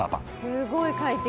すごい快適。